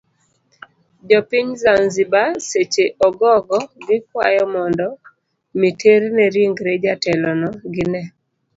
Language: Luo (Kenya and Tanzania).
Jopiny zanziba seche ogogo gikwayo mondo mi terne ringre jatelono ginee